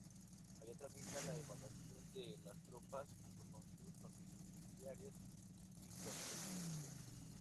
Allí tramita la evacuación de las tropas, junto con sus familiares y pertenencias.